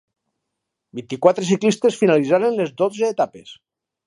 Vint-i-quatre ciclistes finalitzaren les dotze etapes.